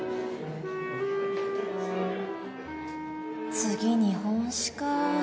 次日本史か